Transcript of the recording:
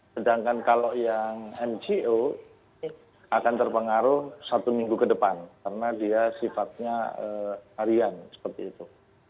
sedangkan kalau yang mgo akan terpengaruh satu minggu ke depan karena dia sifatnya harian seperti itu